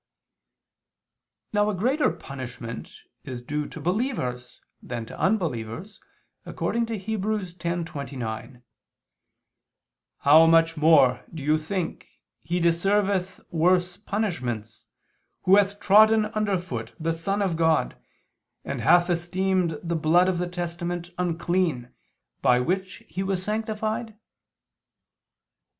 Now a greater punishment is due to believers than to unbelievers, according to Heb. 10:29: "How much more, do you think, he deserveth worse punishments, who hath trodden under foot the Son of God, and hath esteemed the blood of the testament unclean, by which he was sanctified?"